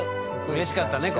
うれしかったね